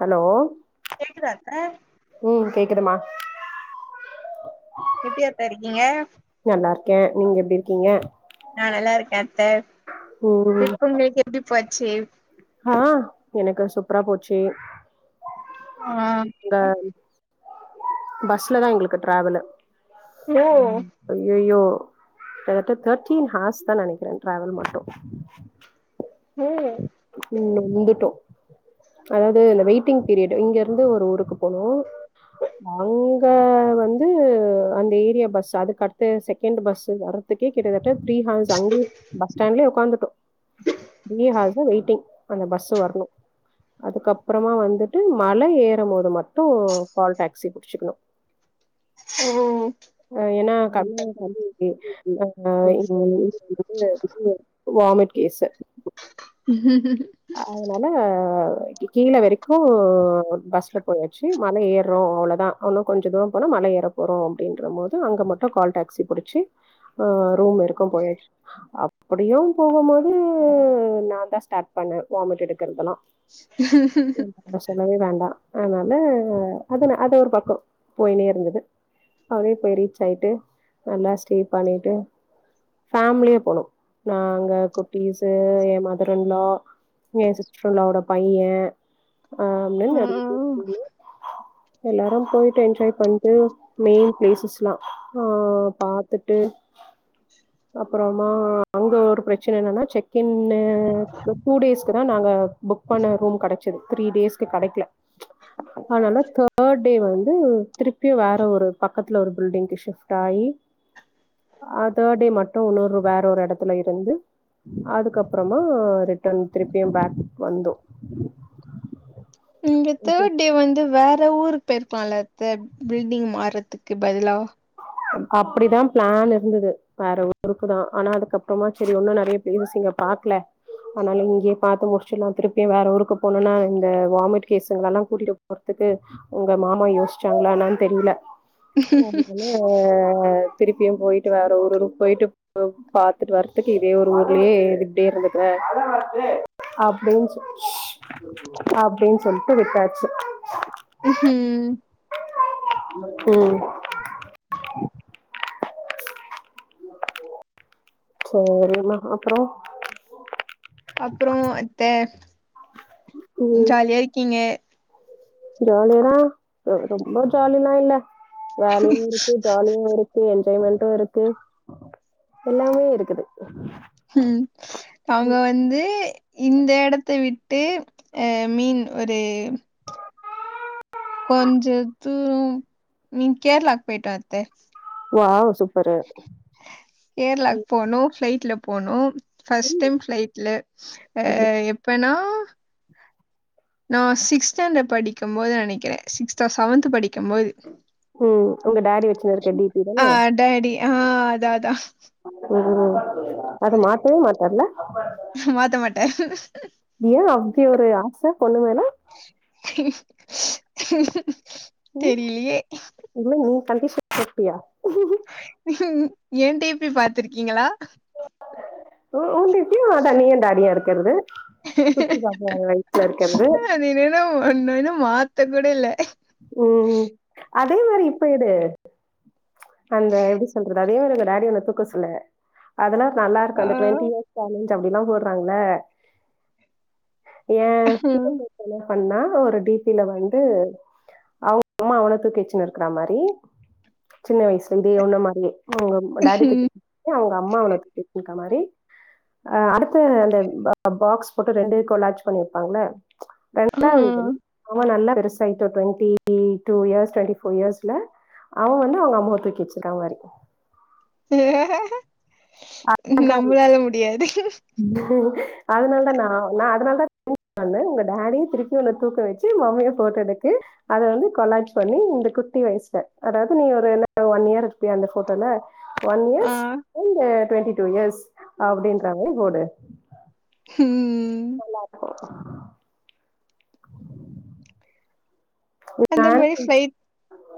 Hello கேக்குதா அத்த ம் கேக்குதுமா எப்டி அத்த இருக்கீங்க ககே நீங்க எப்டி இருக்கீங்க நா நல்லா இருக்கே அத்த ம் ட்ரிப்பு உங்ளுக்கு எப்டி போச்சே ஆ எனக்கு சூப்ரா போச்சு ஆ இந்த பஸ்ல தா எங்ளுக்கு டிராவல்லு ஓ ம் அய்யயோ கிட்ட தட்ட தேட்டீன் ஹார்ஸ் தா நெனைக்றே டிராவல் மட்டு ஓ ம் வந்துட்டோ அதாவது இந்த வெயிட்டிங் பீரியட் இங்க இருந்து ஒரு ஊருக்கு போனு அங்க வந்து அந்த ஏர்யா பஸ் அதுக்கு அடுத்த செகண்ட் பஸ் வர துக்கே கிட்டத்தட்ட த்ரீ ஹார்ஸ் அங்க பஸ்ஸ்டேண்டலே உக்காந்துட்டோ த்ரீ ஹார்ஸ் வெய்ட் டிங் அந்த பஸ் வர்ணு அதுக்கப்றோமா வந்துட்டு மழ ஏறு போது மட்டு கால் டேக்சி புடுச்சுக்குணு ஓ அ ஏனா நல்ல கம்பல்செரி இப்டி படிச்சிட்டு அ இங்க எல்லா வந்து வாமெட் கேஸ்சு ஹிஹி ம் அதனால கீழ வரைக்கு பஸ்ல போயாச்சி மழ ஏர்றோ அவ்ளோதா இன்னு கொஞ்சோ தூரோ போனா மழ ஏ றப்போறோ அப்டின்ற போது அங்க மட்டு கால் டாக்சி புடிச்சி ஆ ரூம் இருக்கு போயாச்சி அப்டியு போகும்போது நான்தா ஸ்டார்ட் பண்ணே வாமிட் எடுக்றதெல்லா அப்ப சொல்லவே வேண்டா அதனால அதுன அது ஒரு பக்கோ போயினே இருந்தது அது போய் ரீச் ஆய்ட்டு நல்லா ஸ்டே பண்ணிட்டு ஃபேம்லியே போனோ நாங்க குட்டீஸ் ஏ மதர் இன் லா எ சிஸ்டர் இன் லா வோட பையே ஆ அப்டின்னு நெறைய பேரு ம் போனோ எல்லாரு போய்ட்டு என்ஜாய் பண்ட்டு மெயின் பிளேசஸ்ல்லா ஆ பாத்துட்டு அப்பறமா அங்க ஒரு பிரச்ன என்னன்னா செக்கின்னு டூ டேஸ்க்கு தா நாங்க புக் பண்ண ரூம் கெடைச்சது த்ரீ டேஸ்கு கெடைக்கல அதனால தேர்ட் டே வந்து திருப்பியு வேற ஒரு பக்கத்ல ஒரு பில்டிங்க்கு ஷிப்ட் ஆயி அ ஆ தேர்ட் டே மட்டு இன்னொரு வேற ஒரு எடத்துல இருந்து அதுக்கப்பறமா ரிட் ட்டர்ன் திருப்பியு பேக் வந்தோ இங்க ஓகே தேர்ட் டே வந்து வேற அ ஊருக்கு போயிருக்லால அத்த பில்டிங் மாறதுக்கு பதிலா அப்டிதா ப்ளான் இருந்துது வேற ஊருக்கு தா ஆனா அதுக்கப்பறமா செரி இண்ணு நெறைய ப்ளேஸ் இங்க பாக்கல அதனால இங்கயே பாத்து முடிச்சுல்லா திருப்பியு வேற ஊருக்கு போனுன்னா இந்த வாமிட் கேசுங்கலல்லா கூட்டிட்டு போற க்கு உங்க மாமா யோசிச்சாங்கலான்னு என்னானு தெரில ஓ திருப்பியு போயிட்டு வேற ஊருக்கு போயிட்டு பாத்துட்டு வரதுக்கு இதே ஒரு ஊர்லேயே இது இப்டியே இருந்துகிடுவ அப்டின்னு சொ அப்டின்னு சொல்ட்டு விட்டாச்சு ம் ம் சேரிமா அப்றோ அப்றோ அத்த ஜாலியா இருக்கீங்க ஜாலின்னா ரொம்ப ஜாலில்லா இல்ல வேலயும் இருக்கு ஜாலியு இருக்கு என்ஜாய்மெண்ட் இருக்கு எல்லாமே இருக்குது ம் அவுங்க வந்து இந்த எடத்த விட் ட்டு ஆ, மீன் ஒரு கொஞ்ச தூரோ நீங்க கேரளாக்கு போயிட்டு வர்றது வாவ் சூப் கேரளாக்கு போனோ பிளைட்ல போனோ ஃபர்ஸ்ட் டைம் ஃப்ளைட்ல அ எப்பனா நா சிக்ஸ்த் ஸ்டாண்டர்ட் படிக்கும்போது நெனைக்கிறே சிக்ஸ்த்தா செவன்த் படிக்கும் போது ம், உங்க டாடி வச்சுன்னு இருக்க டி பி ஆ தானே டாடி ஆ அதா, அதா ம் அத மாத்தவே மாட்டாருல மாத்த மாட்டாரு. ஏன் அப்டி ஒரு ஆச பொண்ணு மேல ம் தெரிலியே இல்ல நீ கண்டிஷன் போட்டியா எ டி பி பாத்திருக்கீங்களா உ ஊன்டுட்டு தனியா டாடியா இருக்கறது இருக்கிறது அது என்னனா ஒன்னு இன்னு மாத்த கூட இல்ல ம் ம் அதே மாரி இப்ப எடு அங்க எப்டி சொல்றது அதே வேற டேடிய உன்ன தூக்க சொல்ல அதெல்லா ஆ, நல்லாருக்கூ அந்த ட்வெண்டி இயர்ஸ் சேலஞ்ச் அப்டிலா போடுறாங்ல ஏ ம், பண்ணா ஒரு டி பி ல வந்து அவுங்கம்மா அவன தூக்கி வச்சுன்னுருக்ற மாரி சின்ன வயசு வீடியோ நம ங்கே அவுங்கம் டேடி ம், [inaudible] அவுங்கம்மா அவன துக்கிட்ருக்க மாரி ஆ அடுத்து அந்த பாக்ஸ் போட்டு ரெண்டு கொலாஜ் பண்ணிருப்பாங்ல ஆ. வெள்ளா [inaudible] ஆனா நல்லா பெருசாயிட்டப்றோ ம் ம் டூ இயர்ஸ் ட்வெண்ட்டி ஃபோர் இயர்ஸ்ல அவு வந்து அவுங்கம்மா தூக்கி வச்சிருக்கா மாரி நம்ளால முடியாது அதுனால தா நா நா அதுனால தா வேண்ணா உங்க டேடிய திருப்பி உன்ன தூக்க வச்சு மம்மிய ஃபோட்டோ எடுத்து அத வந்து கொலாஜ் பண்ணி இந்த குட்டி வயசுல அதாவ்து நீ ஒரு என்ன ஒன் இயர் இருப்பியா அந்த ஃபோட்டோல ஒன் ஆ. Years and twenty two years அப்டின்ற மாரி போடு ம் நல்லாதா அந்த நான் மாயி ஃபிளைட்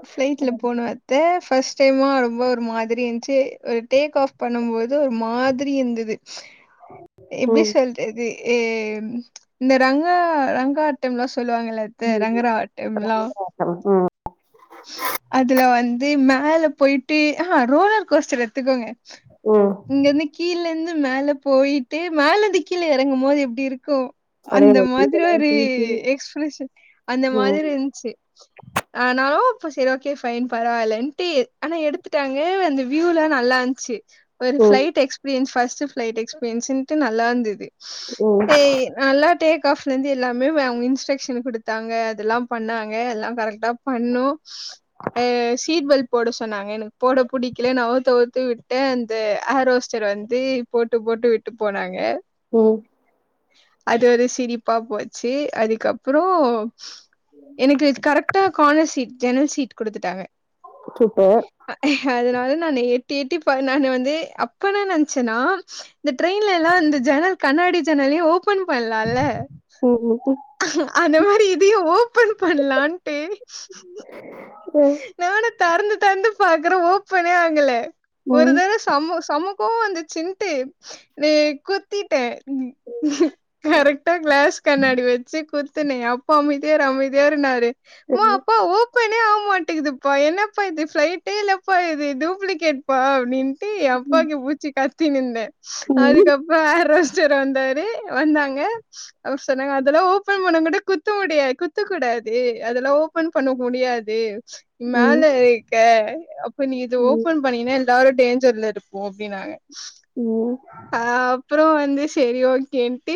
ஃபிளைட்ல போன அத்தே ஃபர்ஸ்ட் டைமா ரொம்ப ஒரு மாதிரி இர்ந்ச்சு ஒரு டேக் ஆஃப் பண்ணும்போது ஒரு மாதிரி இர்ந்துது எப்பி ம் சொல்றது ஏ இந்த ரங்க ரங்காட்டம்லா சொல்லுவாங்கல்ல அத்தே ம் ரங்கராட் ல்லோ ம் அதுல வந்து மேல போயிட்டு ஆஹ ரோலர் கோஸ்டர்ல எடுத்துக்கோங்க ம் இங்கந்து கீழந்து மேல போயிட்டு மேலந்து கீழே எறங்கும் போது எப்டிருக் கூ அதே அந்த மாரி மாத்ரி இதெல்லா ஒரு தூக்கி எக்ஸ்பிரஷன் அந்த ம் மாதிரி இந்த்ச்சி ஆனாலூ இப்ப செரி ஓகே ஃபைன் பரவால்லன்ட்டு ஆனா எடுத்துட்டாங்க அந்த வியூலா நல்லாந்த்ச்சி ஒரு ம் ஃப்ளைட் எக்ஸ்பீரியன்ஸ் ஃபஸ்ட்டு ஃப்ளைட் எக்ஸ்பீரியன்ஸுன்ட்டு நல்லாந்துது ம் ஏய் நல்லா டேட் கஃப்லேந்து எல்லாமே வே அவுங் இன்ஸக்ஷன் குடுத்தாங்க அதுல்லாம் பண்ணாங்க எல்லா கரெக்டா பண்ணோ [unintelligible] அ சீட்பெல்ட் போட சொன்னாங்க எனக்கு போட புடிக்லேன் அவுத்து அவுத்து விட்டே அந்த ஏர் ஹோஸ்டர் வந்து போட்டு போட்டு விட்டு போனாங்க ம் அது ஒரு சிரிப்பா போச்சி அதுக்கப்றோ எனக்கு கரெக்டா கானர் சீட் ஜன்னல் சீட் குடுத்துட்டாங்க சூப்பர் அதுனா அதுனாலே எட்டி எட்டி பா நானு வந்து அப்பதா நன்ச்சே நா இந்த ட்ரெயின்லல்லா இந்த ஜன்னல் க கண்ணாடி ஜன்னலியு ஓபன் பண்லால்ல ம் ம் அந்த மாரி இதையு ஓப்பன் பண்லான்ட்டு ம் தெற்ந்து தெற்ந்து பாக்குற ஓப்பனே ஆகல ஒரு ம் வேள சமோஸ் சம கோவோ வந்துச்சின்ட்டு நே குத்திட்டே கரெக்டா க்ளாஸ் கண்ணாடி வச்சு குத் தினே அப்பா அமைதியா இரு அமைதியா இருனாரு மா ம் ம் அப்பா ஓப் மாட்டேகுதுப்பா என்னப்பா இது ஃப்ளைட்டே இல்லப்பா இது டூப்ளிகேட் பா அப்டின் அப்படின்னு டு ம் அப்பாக்கி புச்சி கத்தினுந்தே ம் அதுக்கப்றோ ஏர் ஹோஸ் டர் வந்தாரு வந்தாங்க அவ் சொன்னாங்க அதெல்லா ஓபன் பண்ணா கூட குத்த முடியாது குத்துக்கூடா அத்ரி அதெல்லா ஓப்பன் பண்ண முடியா தேவ் ம் மேல இக்க அப்ப நீ இது ம் ஓப்பன் பணீனேல் எல்லாரு டேஞ்சர்ல இருப்போ அப்டினாங்க உம் ஆ அப்ற வந்து செரி ஓக்கேன்ட்டு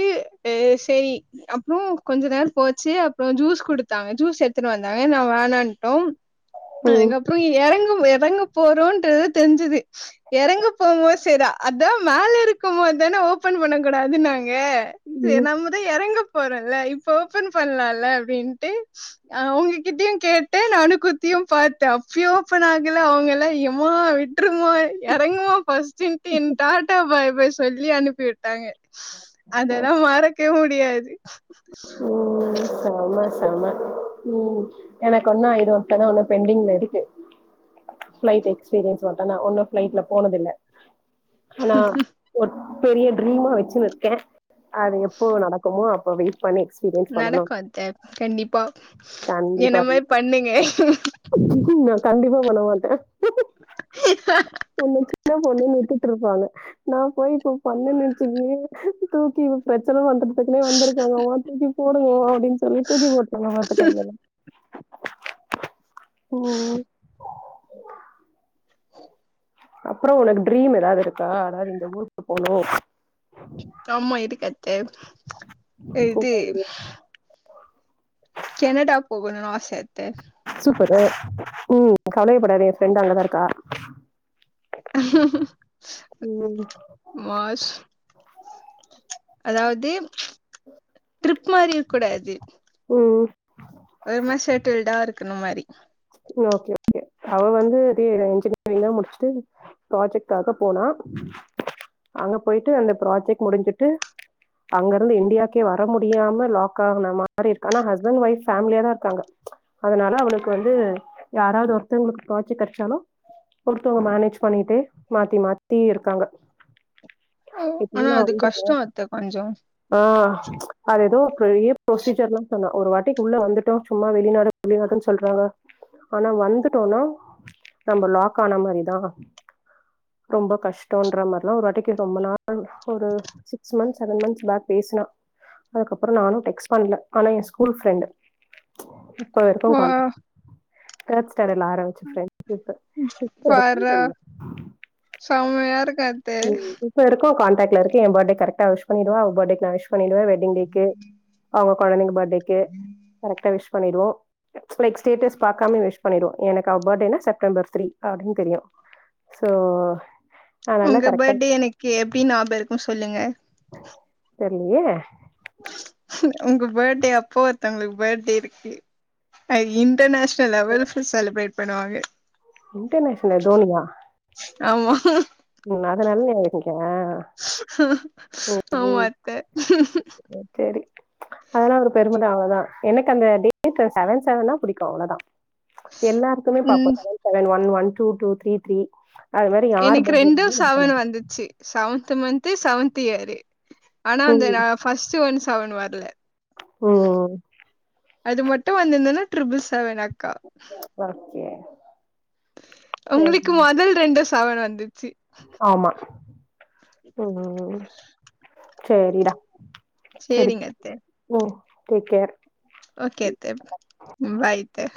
எ செரி அப்றோ கொஞ்ச நேர போச்சு அப்ற ஜூஸ் குடுத்தாங்க ஜூஸ் எத்துனு வந்தாங்க நா வேணான்ட்டோ அங்க்கப்ற எறங்குவே எறங்க போறோன்ட்டு தெஞ்சது எறங்க போமோ சேரி அதா மேல இருக்கம் போதுதான ஓப்பன் பண்ணக்கூடாதுன்னாங்க ம் சேர் ம் நம்மதா எறங்கப் போறல்ல இப்ப ஓப்பன் பண்லால்ல அப்டின்ட்டு அ உங்ககிட்டியு கேட்டே நானு குத்தியு கும் பாத்தே அப்பியு ஓப்பனாகல அவுங்கெல்லா யெம்மா விட்ருமா எறங்குமா ஃபஸ்ட்டுன்ட்டு டாட்டா பாய் பாய் சொல்லி அனுப்பி விட்டாங்க ஆ அதெல்லா மறக்கவே முடியாது செம்ம உம் எனக்கு ஒன்னா இது மட்டதா ஒன்னு பெண்டிங்ல இருக்கு ஃபிளைட் எக்ஸ்பீரியன்ஸ் ஒட்டுனா ஒன்னு பிளைட்ல போனதில்ல ஆனா ஒட் பெரிய ட்ரீமா வச்சுனுருக்கே அது எப்போ நடக்குமோ அப் இப்ப வெய்ட் பண்ணி க்ஸ் நடக்கு அத்த கண்டிப்பா என்ன கண்டிப்பா மேர் பண்ணுங்க நா கண்டிப்பா பண்ண மாட்டே ஒன்ன சின்ன பொண்ணுனு விட்டுட்ருப்பாங்க நாப் போய் இப்ப பண்ணன்னுச்சுக்கியே தூக்கி இப்ப பிரச்சன வந் சத்து சத்துனே வந்திருக்காங்கவோ தூக்கி போடுங்கோ அப்டின் சொல்லி தூக்கி போட்டாங்க [unintelligible] ஓ [inaudible] அப்றோ ஒனக்கு ட்ரீம் எதாது இருக்கா அதாவது இந்த ஊருக்கு போனு ஆமா இருக்கு அத்த இது இந்த ஊரு கெனடா போகணுனு ஆச அத்த ஃபரே உம் கவலையேப்படாத ஏ ஃப்ரெண்டு அங்கதா இருக்கா ம் மாஷ் அதாவது ம் ட்ரிப் மாரி இருக்குடாது ஒரு மாரி செட்டில்டா இருக்குன மாரி ஓகே ஓகே அவ வந்து தே இன்ஜினியரிங்லா முடிஸ்ட்டு ப்ராஜெக்காக போனா அங்க போயிட்டு அந்த ஃபிராஜெக்ட் முடிஞ்சுட்டு அங்கருந்து இன்டியாக்கே வர முடியாம லாக் ஆகுன மாரிருக் ஆனா ஹஸ்பண்ட் ஒஃய்ப் பேமிலியாதா இருக்காங்க அதனால அவளுக்கு வந்து யாராவது ஒருத்தவங்களுக்கு பிராஜெக்ட் கெடைச்சாலு ஒருத்தவங்க மேனேஜ் பண்ணிட்டே மாத்தி மாத்தி இருக்காங்க ஓ இப்ப ஆனா நா அது வந்துட்டே கஷ்டோ அத்த கொஞ்சோ ஆ அது ஏதோ பெரிய புரொசீஜர்னு சொன்னா ஒரு வாட்டிக்குள்ள வந்துட்டோ சும்மா வெளிநாடு வெளிநாடுன் சொல்றாங்க ஆனா வந்துட்டோனா நம்ம லாக்கான மாரிதா ரொம்ப கஷ்டன்ற மார்லா ஒரு வாட்டிக்கு ரொம்ப நாள் ஒரு சிக்ஸ் மந்த்ஸ் செவன் மந்த்ஸ் பேக் பே ஸ்னா அதுக்கப்புற நானு டெக்ஸ் பண்ல ஆனா ஏ ஸ்கூல் ஃபிரெண்டு இப்ப வரைக்கு வா கான்டேக்ஸ் டெரர்ல ஆர வச்ச ஃபிரெண்ஸ் இப்ப இப்ப வரைக்கு பார்றா சொல்ல செம்மையா இருக்கு அத்த உம் இப்ப இருக்கோ கான்டேக்ட்ல இருக்கு ஏ பஃர்டேக்கு கரெக்டா விஷ் பண்ணிடுவா அவ பஃர்டேக்கு நா விஷ் பண்ணிடுவ வெஃட்டிங் டேக்கு அவுங்க கொழந்தைங்க பஃர்டேக்கு கரெக்டா விஷ் பண்ணிடுவோ லைக் ஸ்டேட்டஸ் பாக்காமே வி்ஷ் பண்ணிடுவோ எனக்கு அவ பஃர்டேனா செப்டம்பர் த்ரீ அப்டின் தெரியு சோ அ எப் நல்லக் பஃர்டே எனக்கு எப்டி ஞாபருக்கு சொல்லுங்க தெர்லியே உங்க படே அப்போ ஒருத்தவங்களுக் படே இருக்கு அ இன்டர்நேஷ்னல் லெவல்ஃபு செலிபிரே பண்ணுவாங்க இன்டர்நேஷ்னல் தோனியா ஆமா ம் அதனால் [unintelligible] ஆமா அத்த அதலா ஒரு பெருமதா அவ்ளதா எனக்கு அந்த டேட்டு செவன் செவனா புடிக்கு அவ்ளதா எல்லாருக்குமே பாப்பு ம் seven seven one one two two three three அது மாரி யார் படே ண்டு செவனு வந்துச்சி செவன்த்து மன்த்து செவன்த்து இயரு ஆனா அந்த நா ஃபஸ்ட்டு ஒன் சவன் வர்ல ஓ ஓ அது மட்டு வந்துந்துனா ட்ருபுள் செவனா ஒர்க்கே உங்குளுக்கு மொதல் ரெண்டு சவன் வந்து ஆமா ம் ம் செரிடா செரி சேரிங்க அத்த ஓ டேக்கேர் ஓகே அத்தைப் ம் பாயித்த